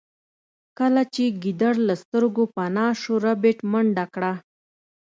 کله چې ګیدړ له سترګو پناه شو ربیټ منډه کړه